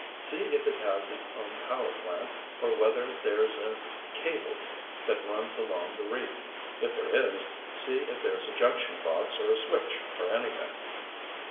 See if it has its own power plant or whether there's a cable that runs along the reef. If there is, see if there's a junction box or a switch or anything."